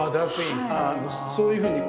そういうふうにこう。